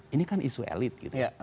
ini kan isu elit gitu